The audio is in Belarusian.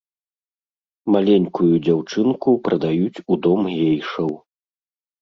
Маленькую дзяўчынку прадаюць у дом гейшаў.